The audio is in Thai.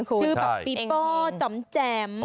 ชื่อแบบปิปเปอร์จำแจม